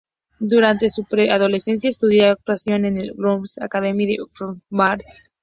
Durante su pre-adolescencia estudió actuación en el "London's Royal Academy of Dramatic Arts".